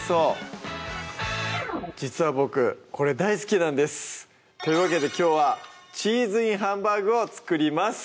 実は僕これ大好きなんです！というわけできょうは「チーズインハンバーグ」を作ります！